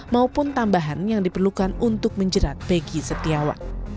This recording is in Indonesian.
maupun tambahan yang diperlukan untuk menjerat bagi setiawan